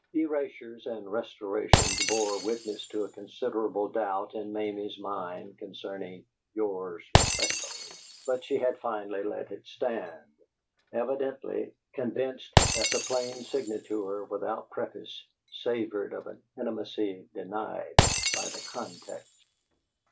Erasures and restorations bore witness to a considerable doubt in Mamie's mind concerning "Yours respectfully," but she had finally let it stand, evidently convinced that the plain signature, without preface, savored of an intimacy denied by the context.